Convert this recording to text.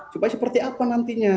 supaya seperti apa nantinya